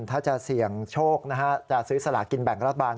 ถ้าจะเสี่ยงโชคนะฮะจะซื้อสลากินแบ่งรัฐบาล